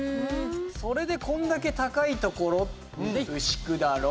それでこんだけ高いところで牛久だろう。